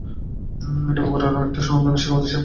এটি বগুড়ার একটি স্বনামধন্য শিক্ষা প্রতিষ্ঠান।